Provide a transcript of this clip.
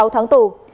sáu tháng tù